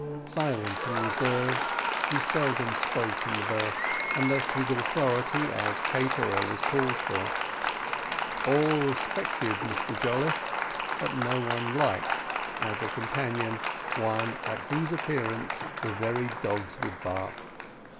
Silent and reserved, he seldom spoke in the berth, unless his authority, as caterer, was called for; all respected Mr Jolliffe, but no one liked, as a companion, one at whose appearance the very dogs would bark.